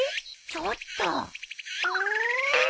ちょっと。